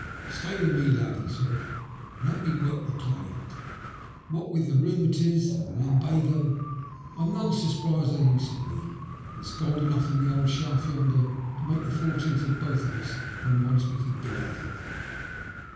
''Stay with me, lad/' he said, "and help me to work the claim. What with the rheumatiz and the lumbago I'm none so spry as I used to be, and there's gold enough in the old shaft yonder to make the fortunes of both of us when once we can get at it."